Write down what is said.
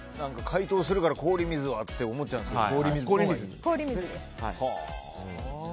解凍するから、氷水はって思っちゃうんですけど。